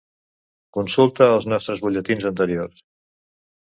Consulta els nostres butlletins anteriors.